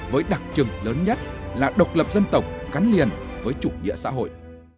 với đặc trưng lớn nhất là độc lập dân tộc gắn liền với chủ nghĩa xã hội